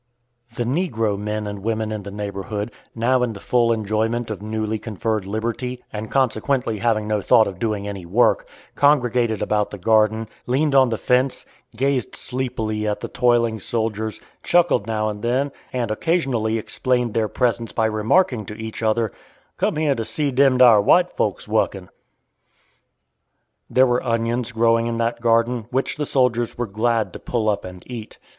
The negro men and women in the neighborhood, now in the full enjoyment of newly conferred liberty, and consequently having no thought of doing any work, congregated about the garden, leaned on the fence, gazed sleepily at the toiling soldiers, chuckled now and then, and occasionally explained their presence by remarking to each other, "Come here to see dem dar white folks wuckin." There were onions growing in that garden, which the soldiers were glad to pull up and eat.